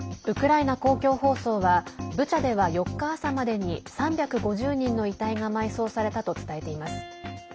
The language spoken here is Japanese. ウクライナ公共放送はブチャでは４日朝までに３５０人の遺体が埋葬されたと伝えています。